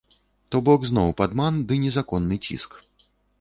То бок зноў падман ды незаконны ціск.